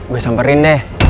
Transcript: gua samperin deh